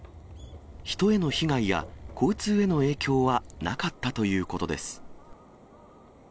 人への被害や、交通への影響はなかったということです。